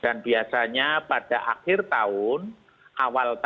dan biasanya pada akhir tahun itu berfluktuasi antar waktu